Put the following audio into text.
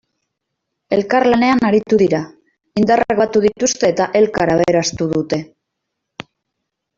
Elkarlanean aritu dira, indarrak batu dituzte eta elkar aberastu dute.